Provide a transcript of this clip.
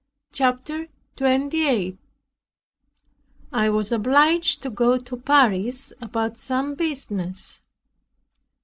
CHAPTER 28 I was obliged to go to Paris about some business.